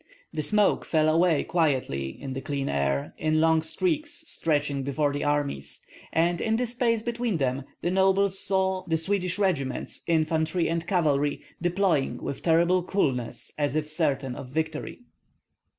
The smoke fell away quietly in the clear air in long streaks stretching between the armies, and in the spaces between them the nobles saw the Swedish regiments, infantry and cavalry, deploying with terrible coolness as if certain of victory.